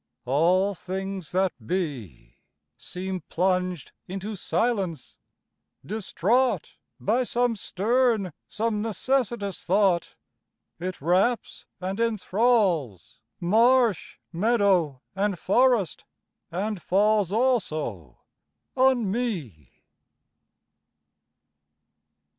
All things that be Seem plunged into silence, distraught, By some stern, some necessitous thought: It wraps and enthralls Marsh, meadow, and forest; and falls Also on me.